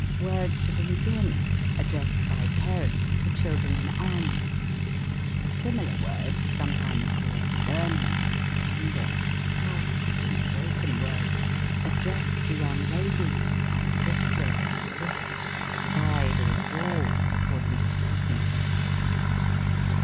Words of endearment, addressed by parents to chil dren in arms. Similar words, sometimes called burning, tender, soft, and broken words, addressed to young ladies, and "Hvhispered, lisped, sighed, or drawled, accoi'ding to cir cumstances.